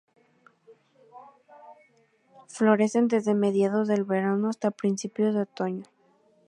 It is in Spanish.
Florecen desde mediados del verano hasta principios de otoño.